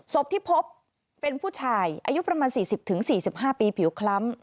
ศพที่พบเป็นผู้ชายอายุประมาณ๔๐๔๕ปีผิวคล้ำ